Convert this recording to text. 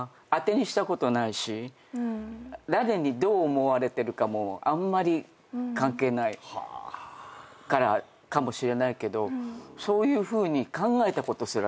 誰にどう思われてるかもあんまり関係ないからかもしれないけどそういうふうに考えたことすらない。